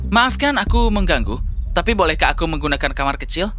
maafkan aku mengganggu tapi bolehkah aku menggunakan kamar kecil